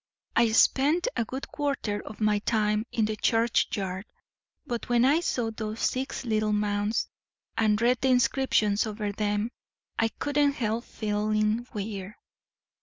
"I spend a good quarter of my time in the churchyard; but when I saw those six little mounds, and read the inscriptions over them, I couldn't help feeling queer.